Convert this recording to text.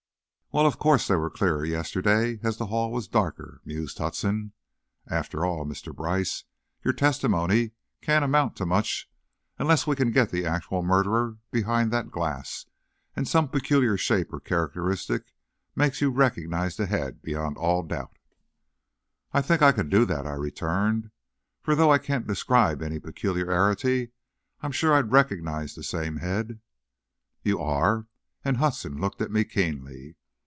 "Well, of course they were clearer yesterday, as the hall was darker," mused Hudson. "After all, Mr. Brice, your testimony can't amount to much unless we can get the actual murderer behind that glass, and some peculiar shape or characteristic makes you recognize the head beyond all doubt." "I think I could do that," I returned; "for though I can't describe any peculiarity, I'm sure I'd recognize the same head." "You are?" and Hudson looked at me keenly.